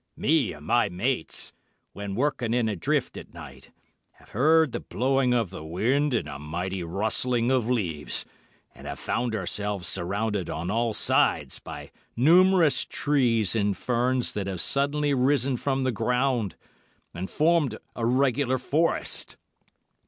Me and my mates, when working in a drift at night, have heard the blowing of the wind and a mighty rustling of leaves, and have found ourselves surrounded on all sides by numerous trees and ferns that have suddenly risen from the ground and formed a regular forest.